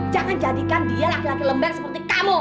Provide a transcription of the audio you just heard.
jangan jadikan dia laki laki lembar seperti kamu